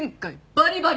バリバリ！